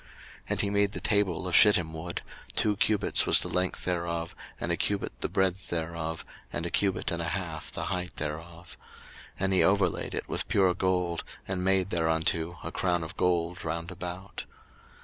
02:037:010 And he made the table of shittim wood: two cubits was the length thereof, and a cubit the breadth thereof, and a cubit and a half the height thereof: 02:037:011 And he overlaid it with pure gold, and made thereunto a crown of gold round about.